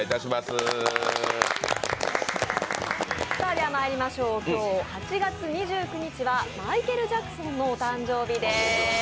では、今日８月２９日はマイケル・ジャクソンのお誕生日です。